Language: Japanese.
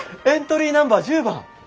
エントリーナンバー１０番。